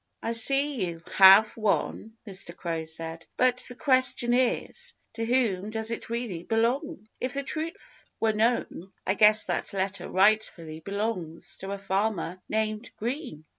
"I see you have one," Mr. Crow said. "But the question is, to whom does it really belong? If the truth were known, I guess that letter rightfully belongs to a farmer named Green."